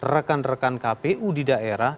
rekan rekan kpu di daerah